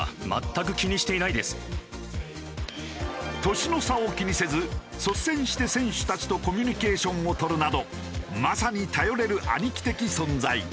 年の差を気にせず率先して選手たちとコミュニケーションを取るなどまさに頼れる兄貴的存在。